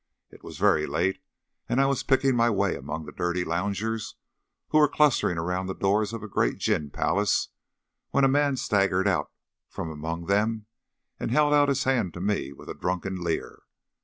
It was very late, and I was picking my way among the dirty loungers who were clustering round the doors of a great gin palace, when a man staggered out from among them, and held out his hand to me with a drunken leer.